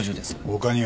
他には？